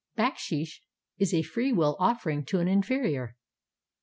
Baksheesh is a freewill offering to an inferior.